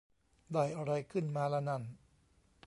ได้อะไรขึ้นมาละนั่น